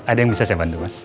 ada yang bisa saya bantu mas